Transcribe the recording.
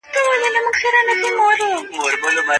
ولي د نورو د درد درک کول انساني روان پیاوړی کوي؟